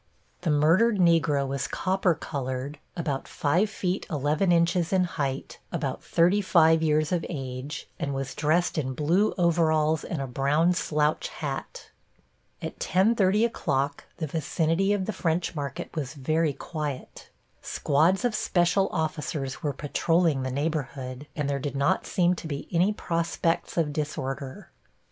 The murdered Negro was copper colored, about 5 feet 11 inches in height, about 35 years of age, and was dressed in blue overalls and a brown slouch hat. At 10:30 o'clock the vicinity of the French Market was very quiet. Squads of special officers were patrolling the neighborhood, and there did not seem to be any prospects of disorder.